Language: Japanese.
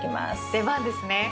出番ですね。